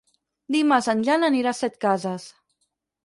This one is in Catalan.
Dimarts en Jan anirà a Setcases.